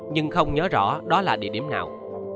nhưng không nhớ rõ đó là địa điểm nào